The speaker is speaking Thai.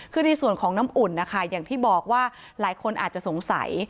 คือในส่วนของน้ำอุ่นนะคะอย่างที่บอกว่าหลายคนอาจจะสงสัย